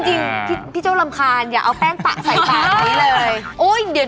จริงพี่โจ้รำคัญอย่าเอาแป้งปะใส่ตายเลย